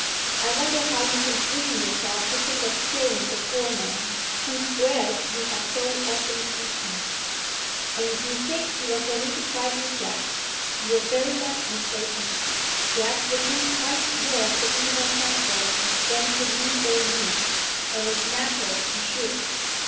I wonder how you can bring yourself to think of killing the poor man, whose bread you have so often eaten! And if you think you are going to frighten Jack, you are very much mistaken. Jack would do twice more for Eva Crasweller than for you or me, and it's natural he should.